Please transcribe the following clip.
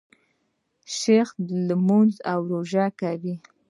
شیخ لمونځ او روژه کوي.